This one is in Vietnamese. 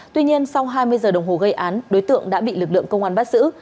tuy nhiên sau hai mươi giờ đồng hồ gây án đối tượng đã bị lực lượng công an bắt giữ